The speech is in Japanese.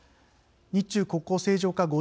日中国交正常化